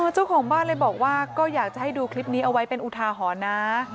เจ้าของบ้านเลยบอกว่าก็อยากจะให้ดูคลิปนี้เอาไว้เป็นอุทาหรณ์นะ